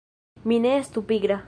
Mi ne estu pigra!